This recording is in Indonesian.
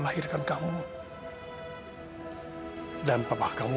waktu kamu masih kecil